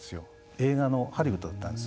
映画のハリウッドだったんです。